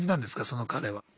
その彼は。